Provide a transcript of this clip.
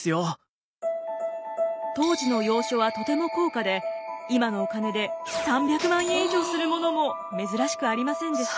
当時の洋書はとても高価で今のお金で３００万円以上するものも珍しくありませんでした。